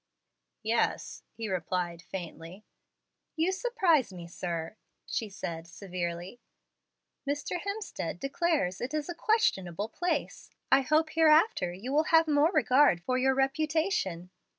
"Yes," he replied faintly. "You surprise me, sir," she said severely. "Mr. Hemstead declares it is a 'questionable place.' I hope hereafter you will have more regard for your reputation."